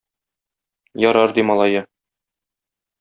Ярар, - ди малае.